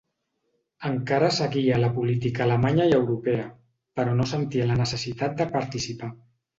Encara seguia la política alemanya i europea, però no sentia la necessitat de participar.